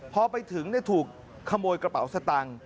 พอไปถึงถูกขโมยกระเป๋าสตังค์